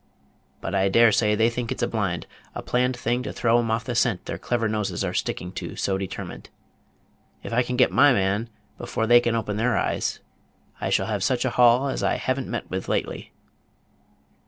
But I dare say they think it's a blind; a planned thing to throw 'em off the scent their clever noses are sticking to so determined. If I can get my man before they open their eyes, I shall have such a haul as I have n't met with lately."